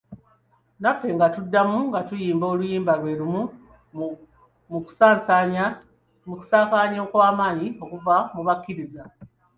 Naffe nga tuddamu nga tuyimba oluyimba lwe lumu, mu kusaakaanya okw'amaanyi okuva mu bakkiriza!